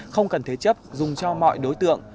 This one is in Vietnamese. không cần thế chấp dùng cho mọi đối tượng